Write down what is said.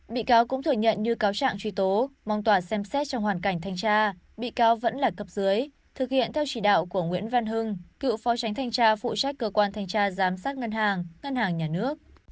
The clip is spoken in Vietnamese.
bị cáo cũng thừa nhận như cáo trạng truy tố mong tòa xem xét trong hoàn cảnh thanh tra bị cáo vẫn là cấp dưới thực hiện theo chỉ đạo của nguyễn văn hưng cựu phó tránh thanh tra phụ trách cơ quan thanh tra giám sát ngân hàng ngân hàng nhà nước